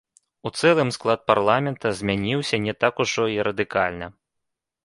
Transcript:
У цэлым склад парламента змяніўся не так ужо і радыкальна.